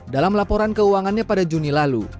dalam laporan keuangannya pada juni lalu